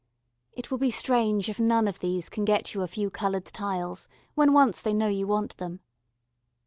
It will be strange if none of these can get you a few coloured tiles when once they know you want them.